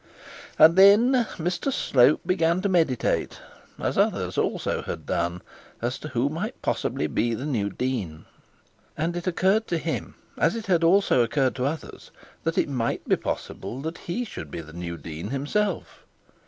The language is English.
And then Mr Slope began to meditate, as others also had done, as to who might possibly be the new dean; and it occurred to him, as it had also occurred to others, that it might be possible that he should be the new dean himself.